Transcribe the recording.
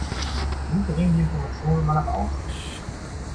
Wie dringen die Informationen immer nach außen?